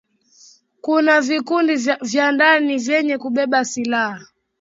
kuna vikundi vya ndani vyenye kubeba silaha